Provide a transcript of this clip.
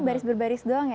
baris baris doang ya